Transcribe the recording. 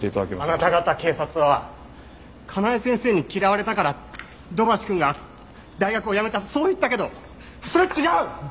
あなた方警察は香奈枝先生に嫌われたから土橋くんが大学をやめたそう言ったけどそれは違う！